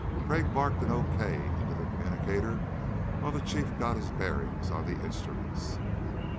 Crag barked an okay into the communicator while the Chief got his bearings on the instruments.